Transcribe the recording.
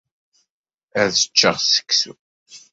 Ad ččeɣ seksu.